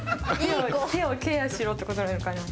手をケアしろって事なのかな？